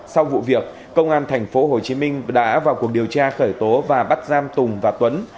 sau vụ việc công an tp hcm đã vào cuộc điều tra khởi tố và bắt giam tùng và tuấn